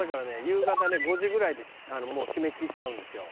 夕方ね５時ぐらいでもう閉め切っちゃうんですよ。